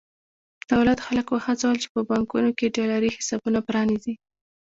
دولت خلک وهڅول چې په بانکونو کې ډالري حسابونه پرانېزي.